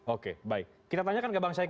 oke baik kita tanyakan ke bang syaiq